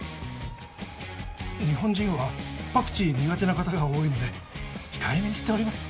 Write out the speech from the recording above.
日本人はパクチー苦手な方が多いので控えめにしております。